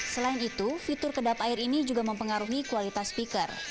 selain itu fitur kedap air ini juga mempengaruhi kualitas speaker